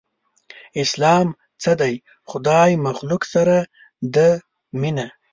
اسلام څه دی؟ خدای مخلوق سره ده مينه